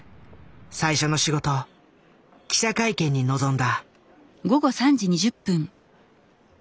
最初の仕事記者会見に臨んだ。